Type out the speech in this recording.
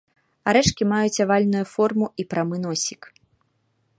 Арэшкі маюць авальную форму і прамы носік.